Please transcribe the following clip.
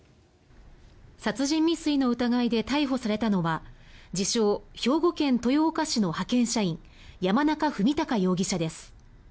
殺人未遂の疑いで逮捕されたのは自称・兵庫県豊岡市の派遣社員山中郁嵩容疑者です。